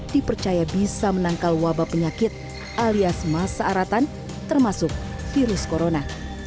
dipercaya bisa menangkal wabah penyakit alias masa aratan termasuk virus corona